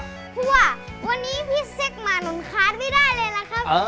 เพราะว่าวันนี้พี่เซ็กมาหนูคาดไม่ได้เลยนะครับ